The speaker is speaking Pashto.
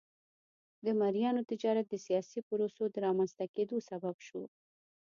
د مریانو تجارت د سیاسي پروسو د رامنځته کېدو سبب شو.